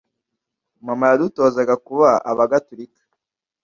mama yadutozaga kuba aba gatulika